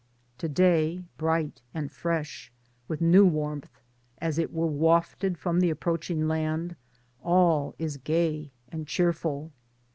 To day, bright and fresh, with new warmth, as it were wafted from the approaching land ŌĆö ^all is gay and cheerful.